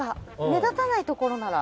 目立たないところなら。